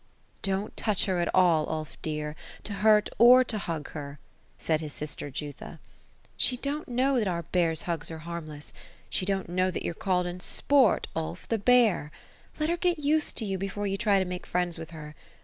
" Don't touch her at all, Ulf dear, to hurt, or to hug her ;" said his sister Jutha. " She don't know that our bear's hugs are harmless. She don't know you're called in sport, Ulf, the bear. Let her get used to you, before you try to make friends with her.